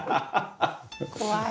怖い。